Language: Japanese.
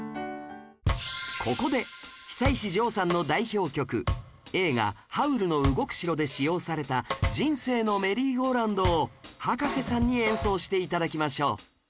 ここで久石譲さんの代表曲映画『ハウルの動く城』で使用された『人生のメリーゴーランド』を葉加瀬さんに演奏して頂きましょう